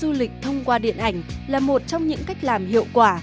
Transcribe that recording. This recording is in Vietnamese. quảng bá du lịch thông qua điện ảnh là một trong những cách làm hiệu quả